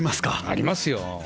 ありますよ。